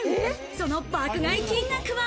その爆買い金額は？